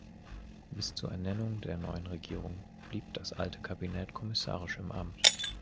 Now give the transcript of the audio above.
Bis zur Ernennung der neuen Regierung blieb das alte Kabinett kommissarisch im Amt.